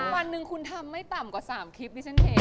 วันหนึ่งคุณทำไม่ต่ำกว่า๓คลิป